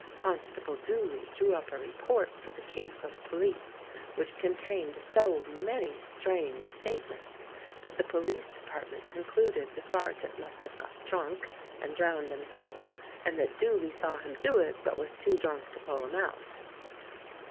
Constable Dooley drew up a report for the Chief of Police which contained so many strange statements that the Police department concluded the sergeant must have got drunk and drowned himself, and that Dooley saw him do it, but was too drunk to pull him out.